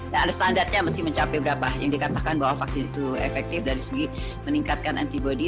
dan ada standarnya mesti mencapai berapa yang dikatakan bahwa vaksin itu efektif dari segi meningkatkan antibody